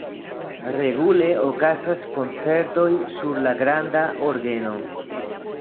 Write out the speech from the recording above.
Regule okazas koncertoj sur la granda orgeno.